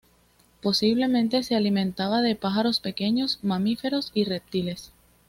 Posiblemente se alimentaba de pájaros, pequeños mamíferos y reptiles.